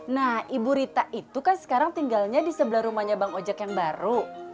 nah ibu rita itu kan sekarang tinggalnya di sebelah rumahnya bang ojek yang baru